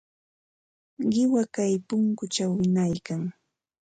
Qiwa kay punkućhaw wiñaykan.